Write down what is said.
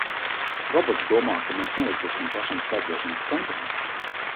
Robots domā, ka mēs neuzbruksim pašam skaitļošanas centram!